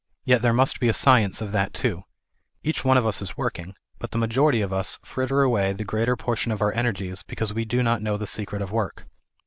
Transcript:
Yet there must be a science of that too, Each one of us is working, but the majority of us fritter away the greater portion of our energies, because we do not know the secret of work.